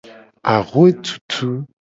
Axwe tutu.